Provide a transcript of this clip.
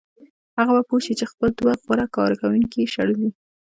هغه به پوه شي چې خپل دوه غوره کارکوونکي یې شړلي